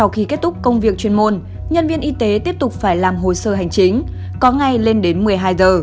khi kết thúc công việc chuyên môn nhân viên y tế tiếp tục phải làm hồ sơ hành chính có ngày lên đến một mươi hai giờ